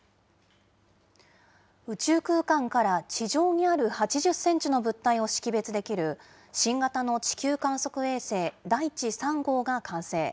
宇宙空間から地上にある８０センチの物体を識別できる新型の地球観測衛星、だいち３号が完成。